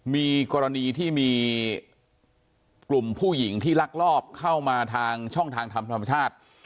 มีกรณีที่มีกลุ่มผู้หญิงที่ลักลอบเข้ามาทางช่องทางธรรมชาติ